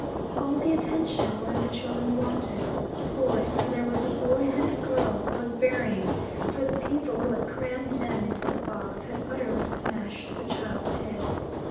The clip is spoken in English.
All the attention one of the children wanted the boy, for there was a boy and a girl was burying, for the people who had crammed them into the box had utterly smashed the child's head.